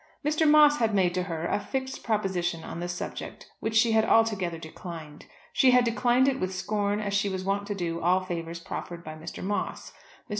Mr. Moss had made to her a fixed proposition on the subject which she had altogether declined. She had declined it with scorn as she was wont to do all favours proffered by Mr. Moss. Mr.